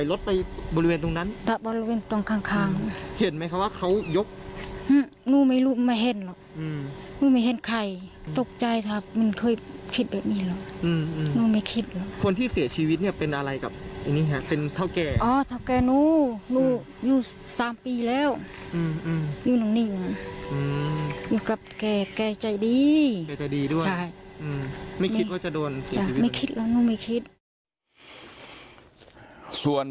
รถไปบริเวณตรงนั้นแต่บริเวณตรงข้างเห็นไหมคะว่าเขายกหนูไม่รู้ไม่เห็นหรอกหนูไม่เห็นใครตกใจถ้ามันเคยคิดแบบนี้หรอกหนูไม่คิดหรอกคนที่เสียชีวิตเนี่ยเป็นอะไรกับอันนี้ฮะเป็นเท่าแก่อ๋อเท่าแก่หนูหนูอยู่สามปีแล้วอยู่ตรงนี้อยู่อยู่กับแก่แก่ใจดีใจดีด้วยใช่ไม่คิดว่าจะโดน